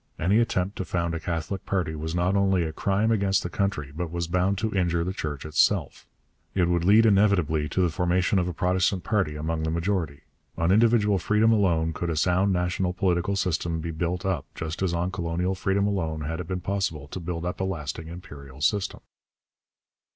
Any attempt to found a Catholic party was not only a crime against the country but was bound to injure the Church itself; it would lead inevitably to the formation of a Protestant party among the majority. On individual freedom alone could a sound national political system be built up, just as on colonial freedom alone had it been possible to build up a lasting imperial system.